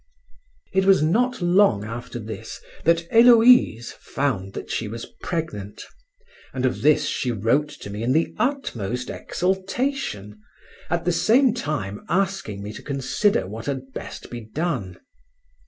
It was not long after this that Héloïse found that she was pregnant, and of this she wrote to me in the utmost exultation, at the same time asking me to consider what had best be done.